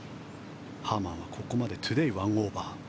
ハーマンはここまでトゥデー１オーバー。